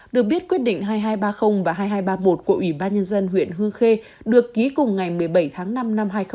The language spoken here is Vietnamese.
được biết quyết định hai nghìn hai trăm ba mươi và hai nghìn hai trăm ba mươi một của ủy ban nhân dân huyện hương khê được ký cùng ngày một mươi bảy tháng năm năm hai nghìn một mươi ba